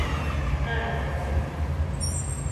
Áll a bál!